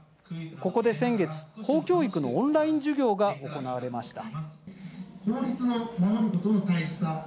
ここで先月、法教育のオンライン授業が行われました。